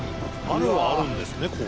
あるはあるんですね氷。